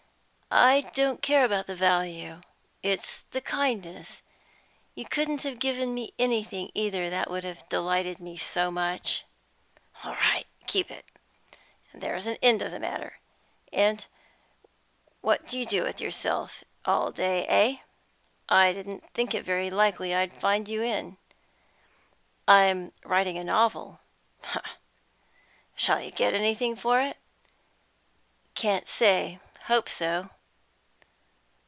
"I don't care about the value. It's the kindness. You couldn't have given me anything, either, that would have delighted me so much." "All right; keep it, and there's an end of the matter. And what do you do with yourself all day, eh? I didn't think it very likely I should find you in." "I'm writing a novel." "H'm. Shall you get anything for it?" "Can't say. I hope so."